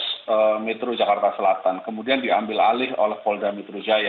polres metro jakarta selatan kemudian diambil alih oleh polda metro jaya